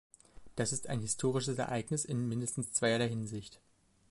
Das ist ein historisches Ereignis in mindestens zweierlei Hinsicht.